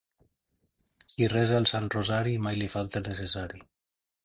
Qui resa el sant rosari, mai li falta el necessari.